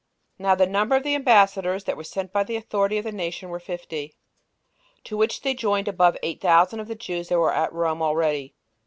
17 Now the number of the ambassadors that were sent by the authority of the nation were fifty, to which they joined above eight thousand of the Jews that were at Rome already.